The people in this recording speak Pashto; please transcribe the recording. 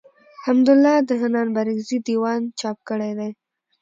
حمدالله د حنان بارکزي دېوان څاپ کړی دﺉ.